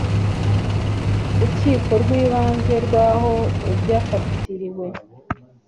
Rukiko rw Ibanze rw aho ibyafatiriwe